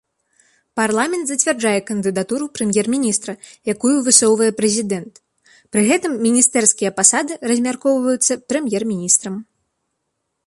Парламент зацвярджае кандыдатуру прэм'ер-міністра, якую высоўвае прэзідэнт, пры гэтым міністэрскія пасады размяркоўваюцца прэм'ер-міністрам.